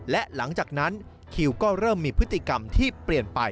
และหลังจากนั้นคิวก็เริ่มมีพฤติกรรมที่เปลี่ยนไป